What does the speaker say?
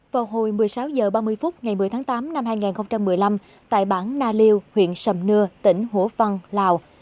vào hồi một mươi sáu h ba mươi phút ngày một mươi tháng tám năm hai nghìn một mươi năm tại bản na liêu huyện sầm nưa tỉnh hủa phăn lào